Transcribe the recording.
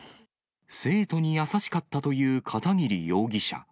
生徒に優しかったという片桐容疑者。